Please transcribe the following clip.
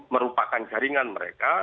merupakan jaringan mereka